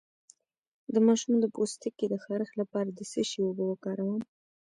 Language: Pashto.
د ماشوم د پوستکي د خارښ لپاره د څه شي اوبه وکاروم؟